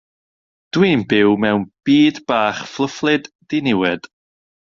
Dwi'n byw mewn byd bach fflwfflyd diniwed.